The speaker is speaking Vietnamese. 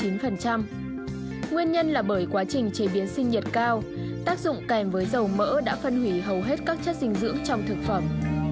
nguyên nhân là bởi quá trình chế biến sinh nhiệt cao tác dụng kèm với dầu mỡ đã phân hủy hầu hết các chất dinh dưỡng trong thực phẩm